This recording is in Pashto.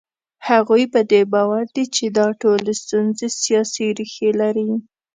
هغوی په دې باور دي چې دا ټولې ستونزې سیاسي ریښې لري.